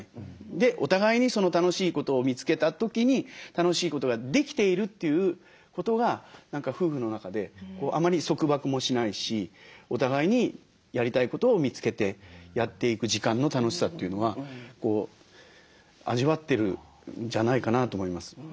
でお互いに楽しいことを見つけた時に楽しいことができているということが夫婦の中であまり束縛もしないしお互いにやりたいことを見つけてやっていく時間の楽しさというのは味わってるんじゃないかなと思います。